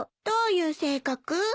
どういう性格？